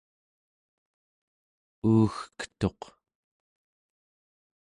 uugketuq